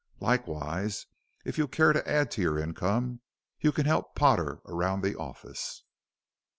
Likewise, if you care to add to your income, you can help Potter around the office."